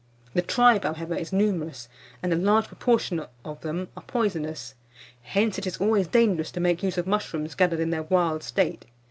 The tribe, however, is numerous, and a large proportion of them are poisonous; hence it is always dangerous to make use of mushrooms gathered in their wild state.